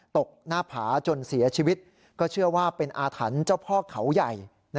ตกหน้าผาจนเสียชีวิตก็เชื่อว่าเป็นอาถรรพ์เจ้าพ่อเขาใหญ่